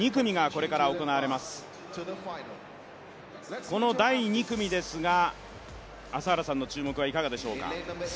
この第２組ですが、朝原さんの注目はいかがでしょうか？